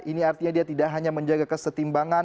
ini artinya dia tidak hanya menjaga kesetimbangan